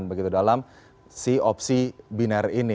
begitu dalam si opsi biner ini